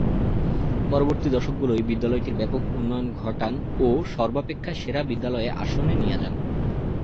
পরবর্তী দশকগুলোয় বিদ্যালয়টির ব্যাপক উন্নয়ন ঘটান ও সর্বাপেক্ষা সেরা বিদ্যালয়ের আসনে নিয়ে যান।